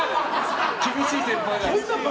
厳しい先輩だ。